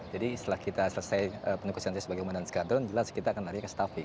jadi setelah kita selesai penukusan sebagai komandan skadron jelas kita akan lari ke staffing